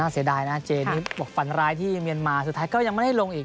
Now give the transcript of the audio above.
เสียดายนะเจนี่บอกฝันร้ายที่เมียนมาสุดท้ายก็ยังไม่ได้ลงอีก